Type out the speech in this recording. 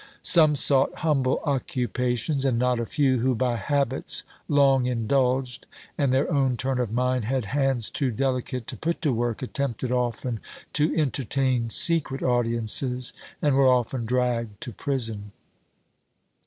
Some sought humble occupations; and not a few, who, by habits long indulged, and their own turn of mind, had hands too delicate to put to work, attempted often to entertain secret audiences, and were often dragged to prison.